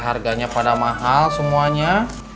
harganya pada mahal semuanya